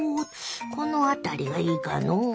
この辺りがいいかのう。